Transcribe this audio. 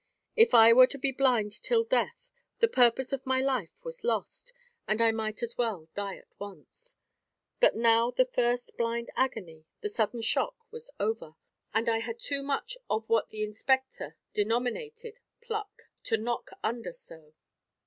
If I were to be blind till death, the purpose of my life was lost, and I might as well die at once. But now the first blind agony, the sudden shock, was over; and I had too much of what the Inspector denominated "pluck," to knock under so.